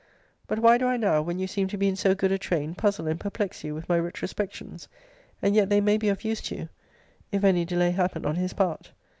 ] [But why do I now, when you seem to be in so good a train, puzzle and perplex you with my retrospections? And yet they may be of use to you, if any delay happen on his part.